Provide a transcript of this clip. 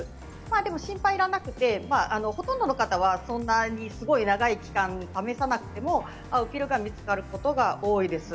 でも心配はいらなくてほとんどの方はそんなにすごい長い期間試さなくても合うピルが見つかることが多いです。